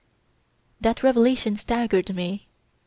"That revelation staggered me.